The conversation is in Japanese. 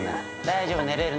大丈夫よ。